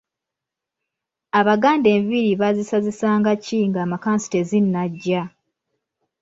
Abaganda enviiri baazisazisanga ki nga makansi tezinajja?